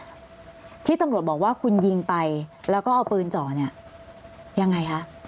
ที่ตำรวจบอกว่าคุณยิงไปแล้วก็เอาปืนจ่อเนี่ยยังไงคะ